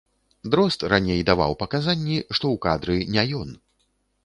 Дрозд раней даваў паказанні, што ў кадры не ён.